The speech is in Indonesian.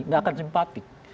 gak akan simpati